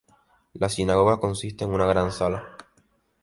La sinagoga consiste en una gran sala.